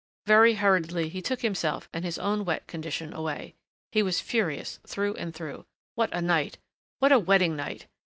Very hurriedly he took himself and his own wet condition away. He was furious, through and through. What a night what a wedding night!